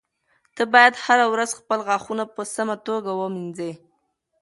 ته باید هره ورځ خپل غاښونه په سمه توګه ومینځې.